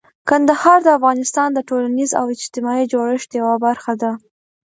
کندهار د افغانستان د ټولنیز او اجتماعي جوړښت یوه برخه ده.